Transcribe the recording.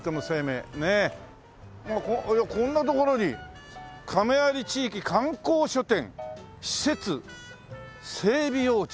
おっいやこんな所に「亀有地域観光拠点施設整備用地」。